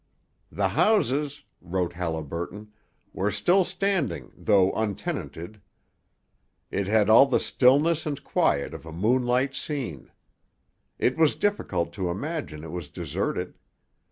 'The houses,' wrote Haliburton, 'were still standing though untenanted: It had all the stillness and quiet of a moonlight scene. It was difficult to imagine it was deserted.